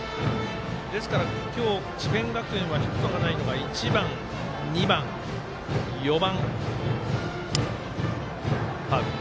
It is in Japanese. ですから、今日、智弁学園はヒットがないのが１番、２番、４番。